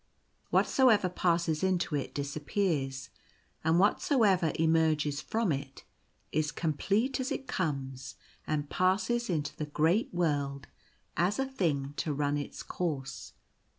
Whatsoever passes into it disappears; and whatsoever emerges from it is complete as it comes and passes into the great world as a thing to run its course.